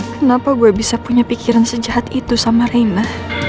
kenapa gue bisa punya pikiran sejahat itu sama reina